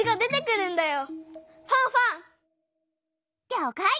りょうかい！